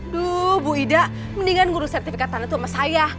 duh bu ida mendingan ngurus sertifikat tanah tuh sama saya